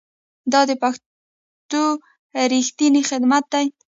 دا د پښتو ریښتینی خدمت دی.